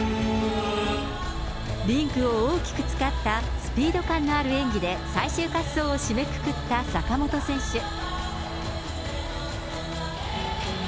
リンクを大きく使ったスピード感のある演技で最終滑走を締めくくった坂本選手。